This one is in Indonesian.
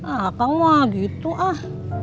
akang mau gitu ah